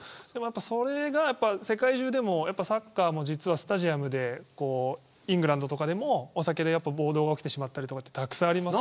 それが世界中でもサッカーもスタジアムでイングランドとかでもお酒で暴動が起きたりとかたくさんありますし。